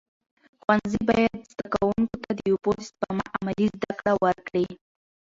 ښوونځي باید زده کوونکو ته د اوبو د سپما عملي زده کړه ورکړي.